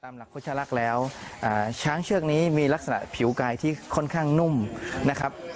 หลักพุทธลักษณ์แล้วช้างเชือกนี้มีลักษณะผิวกายที่ค่อนข้างนุ่มนะครับ